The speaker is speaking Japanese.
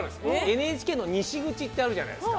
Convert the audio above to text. ＮＨＫの西口ってあるじゃないですか。